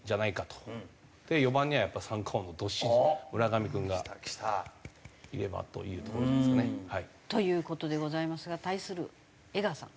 で４番にはやっぱ三冠王のどっしりと村上君がいればというところですかね。という事でございますが対する江川さん。